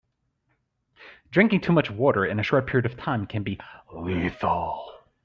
Drinking too much water in a short period of time can be lethal.